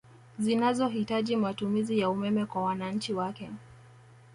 Zinazo hitaji matumizi ya umeme kwa wananchi wake